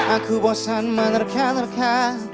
aku bosan menerka nerka